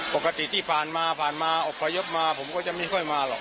พก็ติดป่านมาป่านมาอบภัยยศมาผมก็จะไม่ค่อยมาหรอก